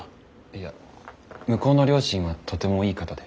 いや向こうの両親はとてもいい方で。